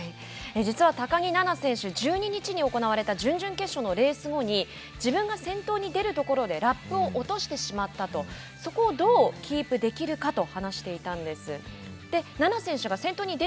実は高木菜那選手１２日に行われた準々決勝のレース後に自分が先頭に出るところでラップを落としてしまったとそこをどうキープ出来るか